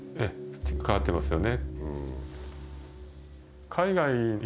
変わってますよね。